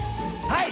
はい！